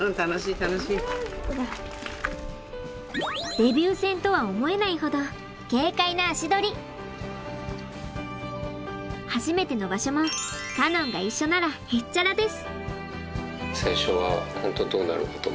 デビュー戦とは思えないほど初めての場所もカノンが一緒ならへっちゃらです！